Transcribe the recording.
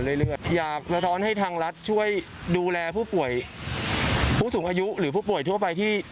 อยากสะท้อนให้ทางรัฐช่วยดูแลผู้ป่วยผู้สูงอายุหรือผู้ป่วยทั่วไปที่